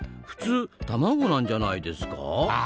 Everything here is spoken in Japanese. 普通卵なんじゃないですか？